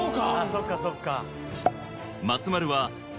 そっかそっか。